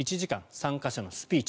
参加者のスピーチ。